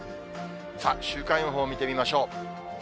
さあ、週間予報見てみましょう。